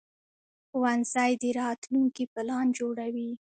ښوونځی د راتلونکي پلان جوړوي